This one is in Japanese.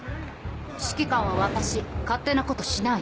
指揮官は私勝手なことしないで。